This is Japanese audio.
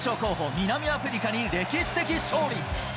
・南アフリカに歴史的勝利。